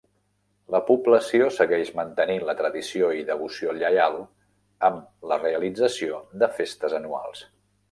La població segueix mantenint la tradició i devoció lleial, amb la realització de festes anuals.